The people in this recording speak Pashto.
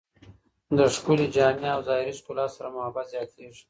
د ښکلې جامې او ظاهري ښکلا سره محبت زیاتېږي.